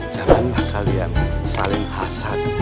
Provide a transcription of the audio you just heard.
janganlah kalian saling hasat